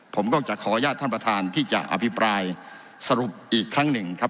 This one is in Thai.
ผมก็จะขออนุญาตท่านประธานที่จะอภิปรายสรุปอีกครั้งหนึ่งครับ